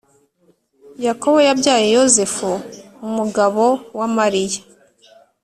Yakobo yabyaye yozefu umugabo wamariya